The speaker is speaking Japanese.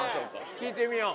聞いてみよう。